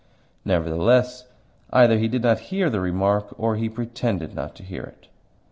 Nevertheless, either he did not hear the remark or he PRETENDED not to hear it.